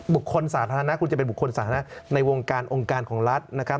สาธารณะคุณจะเป็นบุคคลสาธารณะในวงการองค์การของรัฐนะครับ